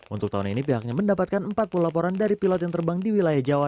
untuk tahun ini pihaknya mendapatkan empat puluh laporan dari pilot yang terbang di wilayah jawa